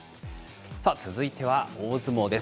続いては大相撲です。